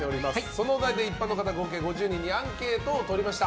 そのお題で一般の方合計５０人にアンケートを取りました。